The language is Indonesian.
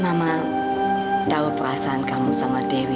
mama tahu perasaan kamu sama dewi